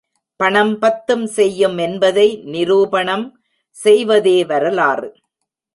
பணம் பத்தும் செய்யும் என்பதை நிரூபணம் செய்வதே வரலாறு.